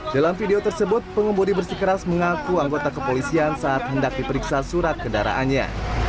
dalam video tersebut pengemudi bersikeras mengaku anggota kepolisian saat hendak diperiksa surat kendaraannya